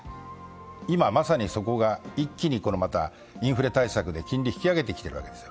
今、まさにそこが一気にインフレ対策で金利、引き上げてきてるわけです。